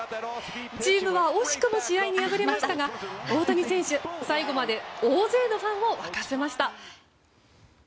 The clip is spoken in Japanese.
チームは惜しくも試合に敗れましたが大谷選手、最後まで大勢のファンを沸かせました。